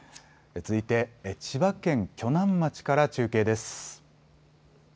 続いて千葉県鋸南町から中継です。